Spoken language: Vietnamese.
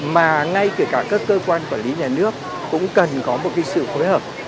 mà ngay cả các cơ quan quản lý nhà nước cũng cần có một sự phối hợp